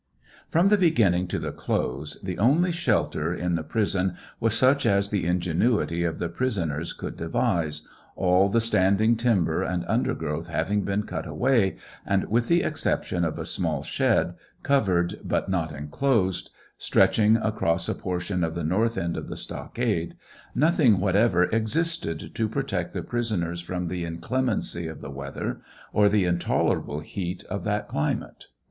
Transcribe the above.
From the beginning to the close, the only shelter in the prison was such as the ingenuity of the prisoners could devise, all the standing timber and under growth having been cut away, and with the exception of a small shed, covered but not enclosed, stretching across a portion of the north end of the stockade, nothing whatever existed to protect the prisoners from the inclemency of the weather, or the intolerable heat of that climate.